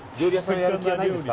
やる気ないですか？